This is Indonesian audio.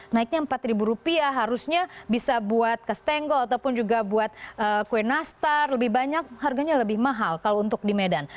naiknya rp empat harusnya bisa buat ke stengo ataupun juga buat kue nastar lebih banyak harganya lebih mahal kalau untuk di medan